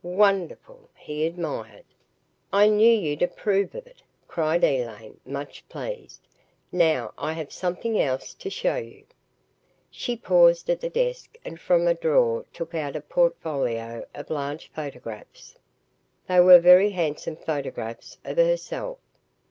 "Wonderful!" he admired. "I knew you'd approve of it," cried Elaine, much pleased. "Now I have something else to show you." She paused at the desk and from a drawer took out a portfolio of large photographs. They were very handsome photographs of herself.